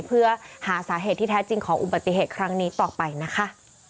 เพื่อหาสาเหตุที่แท้จริงของอุบัติเหตุครั้งนี้ต่อไปนะคะ